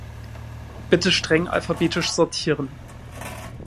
Bitte streng alphabetisch sortieren!